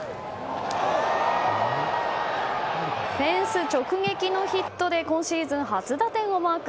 フェンス直撃のヒットで今シーズン初打点をマーク。